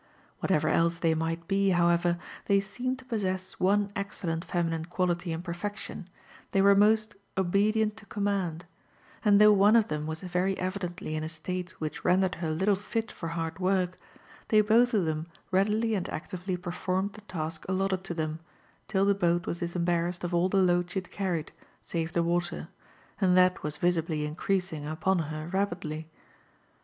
Whatiever else they might be, however, they seeped to possess pno excellent feminltie quality in perfection, — they w^re most ' pbediept to command *i" and though one of th^m was very evidently in a state which rendered her little &t tor hard worki, they both, of them readily and actively performed thQ task allotted to them, till the boat wais jiiepobarrass^d of all the load she had carried, save the water — ^and that was visibly increasing upon her rapidly.